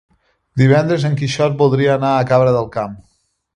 Divendres en Quixot voldria anar a Cabra del Camp.